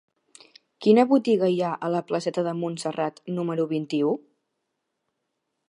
Quina botiga hi ha a la placeta de Montserrat número vint-i-u?